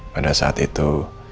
pada saat itu